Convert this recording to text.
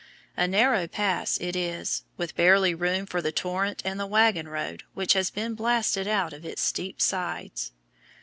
A narrow pass it is, with barely room for the torrent and the wagon road which has been blasted out of its steep sides.